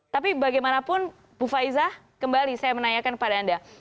tapi bagaimanapun bu faiza kembali saya menanyakan kepada anda